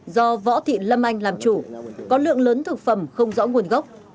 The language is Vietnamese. do võ thị lâm anh làm chủ có lượng lớn thực phẩm không rõ nguồn gốc